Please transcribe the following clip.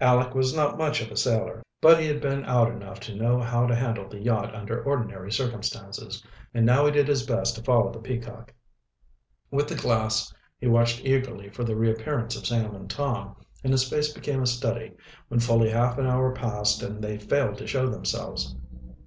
Aleck was not much of a sailor, but he had been out enough to know how to handle the yacht under ordinary circumstances, and now he did his best to follow the Peacock. With the glass he watched eagerly for the reappearance of Sam and Tom, and his face became a study when fully half an hour passed and they failed to show themselves.